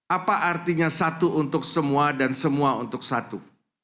apa artinya satu untuk semua dan semua untuk satu